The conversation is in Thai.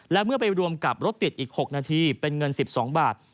และเมื่อไปรวมกับรถติดอีก๖นาทีเป็นเงิน๑๒บาท